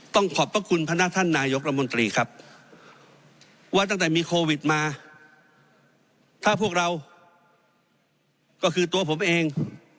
ขอบพระคุณพนักท่านนายกรมนตรีครับว่าตั้งแต่มีโควิดมาถ้าพวกเราก็คือตัวผมเอง